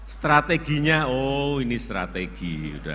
strateginya oh ini strategi